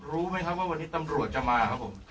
รู้ไหมครับว่าวันนี้ตำรวจจะมาครับผม